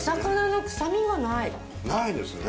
ないですね。